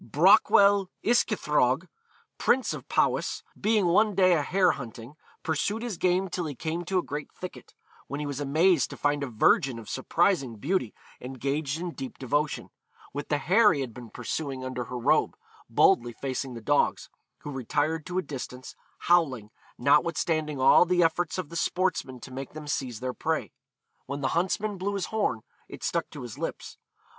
Brochwel Yscythrog, prince of Powys, being one day a hare hunting, pursued his game till he came to a great thicket; when he was amazed to find a virgin of surprising beauty engaged in deep devotion, with the hare he had been pursuing under her robe, boldly facing the dogs, who retired to a distance, howling, notwithstanding all the efforts of the sportsmen to make them seize their prey. When the huntsman blew his horn, it stuck to his lips.